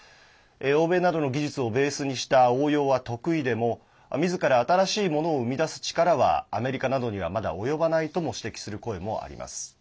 欧米などの技術をベースにした応用は得意でもみずから新しいものを生み出す力はアメリカなどにはまだ及ばないとも指摘する声もあります。